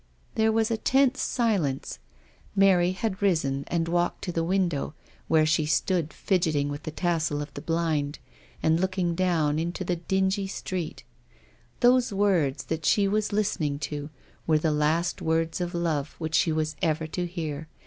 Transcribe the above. There was a tense silence. Mary had risen and walked to the window, where she stood fidgetting with the tassel of the blind, and looking down into the street. Those words that she was listening to were the last words of love which she was ever to hear.